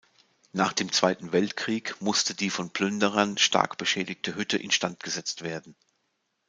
Nach dem Zweiten Weltkrieg musste die von Plünderern stark beschädigte Hütte instandgesetzt werden.